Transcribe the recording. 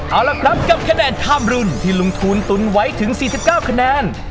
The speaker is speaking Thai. เอาล่ะครับกับคะแนนข้ามรุ่นที่ลุงทูลตุนไว้ถึง๔๙คะแนน